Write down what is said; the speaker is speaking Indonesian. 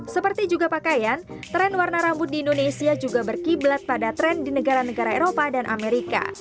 seperti juga pakaian tren warna rambut di indonesia juga berkiblat pada tren di negara negara eropa dan amerika